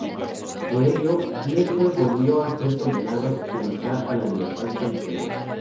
Por ello, Nielsen volvió a ser condenado, sin optar a la libertad condicional.